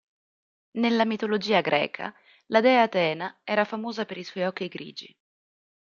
Nella mitologia greca, la dea Atena era famosa per i suoi occhi grigi.